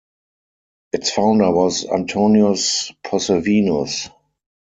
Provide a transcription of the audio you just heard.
Its founder was Antonius Possevinus.